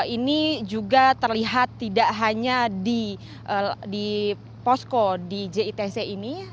ini juga terlihat tidak hanya di posko di jitc ini